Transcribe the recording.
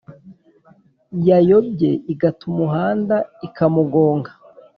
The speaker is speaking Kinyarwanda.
yayobye igata umuhanda ikamugonga.